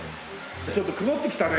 ちょっと曇ってきたね。